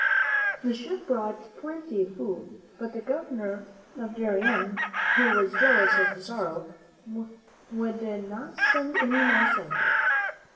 The ship brought plenty of food ; but the Governor of Darien, who was jealous of Pizarro, would not send any more soldiers.